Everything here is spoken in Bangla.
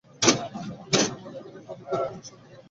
কেহ কেহ মনে করে, এই প্রতীকগুলির কোন সার্থকতা নাই।